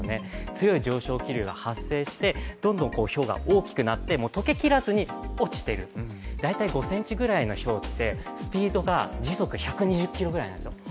強い上昇気流が発生して、どんどんひょうが大きくなってとけきらずに落ちている、大体５ｃｍぐらいのひょうって時速１２０キロぐらいなんですね。